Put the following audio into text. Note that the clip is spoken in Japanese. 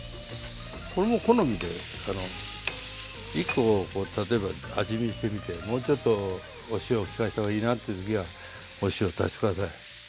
これも好みで１コ例えば味見してみてもうちょっとお塩を利かせた方がいいなっていう時はお塩足して下さい。